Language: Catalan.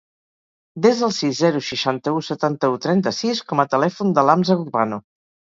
Desa el sis, zero, seixanta-u, setanta-u, trenta-sis com a telèfon de l'Hamza Urbano.